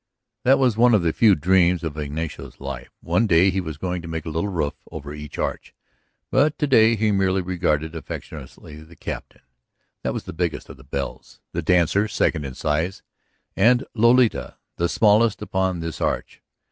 That was one of the few dreams of Ignacio's life; one day he was going to make a little roof over each arch. But to day he merely regarded affectionately the Captain ... that was the biggest of the bells ... the Dancer, second in size, and Lolita, the smallest upon this arch.